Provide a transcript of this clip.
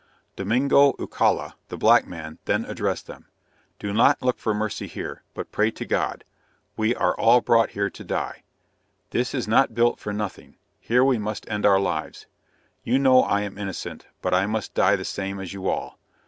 Domingo Eucalla, the black man, then addressed them. "Do not look for mercy here, but pray to God; we are all brought here to die. This is not built for nothing; here we must end our lives. You know I am innocent, but I must die the same as you all.